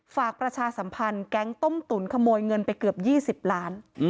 ประชาสัมพันธ์แก๊งต้มตุ๋นขโมยเงินไปเกือบ๒๐ล้าน